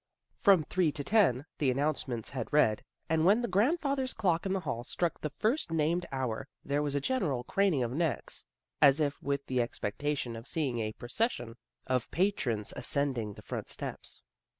" From three to ten " the an nouncements had read, and when the grand father's clock in the hall struck the first named hour there was a general craning of necks, as if with the expectation of seeing a procession of patrons ascending the front steps.